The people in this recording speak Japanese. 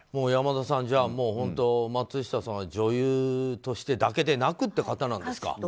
山田さん、じゃあ本当松下さんは女優としてだけでなくっていう方なんですか。